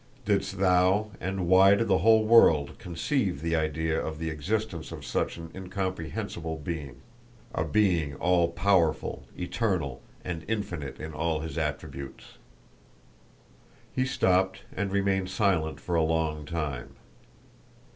didst thou, and why did the whole world, conceive the idea of the existence of such an incomprehensible Being, a Being all powerful, eternal, and infinite in all His attributes?..." He stopped and remained silent for a long time.